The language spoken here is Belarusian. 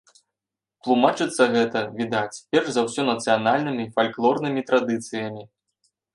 Тлумачыцца гэта, відаць, перш за ўсё нацыянальнымі фальклорнымі традыцыямі.